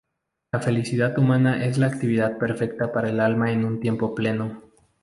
La felicidad humana es la actividad perfecta del alma en un tiempo pleno.